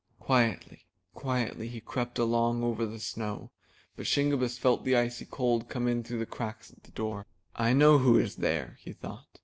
Quietly, quietly he crept along over the snow. But Shingebiss felt the icy cold come in through the cracks of the door. 341 MY BOOK HOUSE '*I know who is there/' he thought.